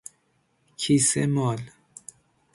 کیسه مال